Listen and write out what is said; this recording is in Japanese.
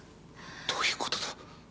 どういう事だ？